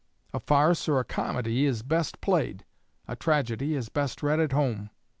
A farce or a comedy is best played; a tragedy is best read at home."